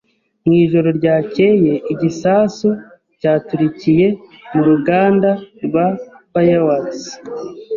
Mu ijoro ryakeye, igisasu cyaturikiye mu ruganda rwa fireworks.